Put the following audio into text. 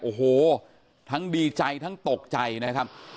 โอ้โหทั้งดีใจทั้งตกใจนะครับ